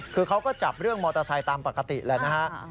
คือเขาก็จับเรื่องมอเตอร์ไซค์ตามปกติแหละนะฮะ